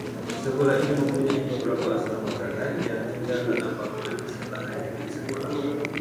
Sekolah ini mempunyai beberapa asrama terhad, yang tinggal dalam bangunan bersebelahan dengan sekolah